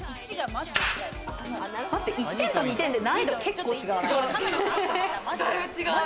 待って、１点と２点で難易度結構違う。